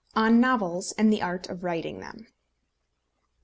ON NOVELS AND THE ART OF WRITING THEM.